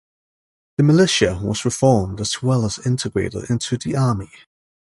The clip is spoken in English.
The militia was reformed as well and integrated into the Army.